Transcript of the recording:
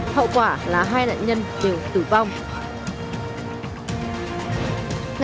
hậu quả là hai nạn nhân đều tử vong